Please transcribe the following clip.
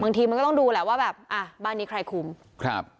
บางทีมันก็ต้องดูแหละว่าแบบอ่ะบ้านนี้ใครคุมครับ